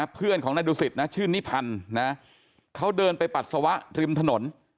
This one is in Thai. เพื่อนของนายดูสิตนะชื่อนิพันธ์นะเขาเดินไปปัสสาวะริมถนน